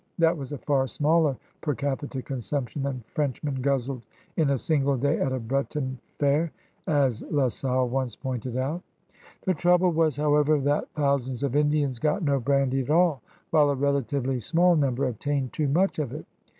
That was a far smaller per capita consumption than Frenchmen guzzled in a single day at a Breton fair, as La Salle once pointed out. The trouble was, however, that thou sands of Indians got no brandy at all, while a rela tively small number obtained too much of it.